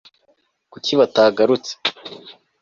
kuki batagarutse